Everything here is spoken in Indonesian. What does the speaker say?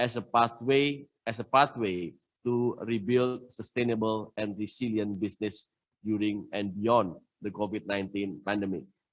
sebagai jalan untuk membangun bisnis yang berkelanjutan dan berkelanjutan di dalam dan di luar pandemi covid sembilan belas